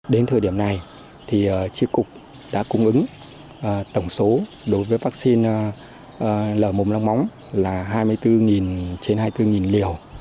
đến thời điểm này tri cục đã cung ứng tổng số đối với vaccine lở mồm long móng là hai mươi bốn trên hai mươi bốn liều